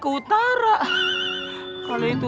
kalau itu utara maka dia ke mana